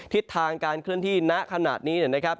ทิศทางการเคลื่อนที่ณขณะนี้นะครับ